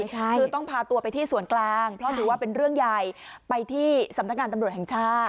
คือต้องพาตัวไปที่ส่วนกลางเพราะถือว่าเป็นเรื่องใหญ่ไปที่สำนักงานตำรวจแห่งชาติ